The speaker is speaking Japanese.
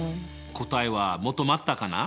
答えは求まったかな？